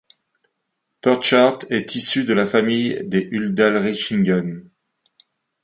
Purchart est issu de la famille des Udalrichingen.